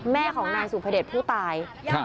แม่ของนายสุพเดชผู้ตาย